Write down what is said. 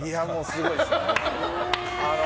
すごいです。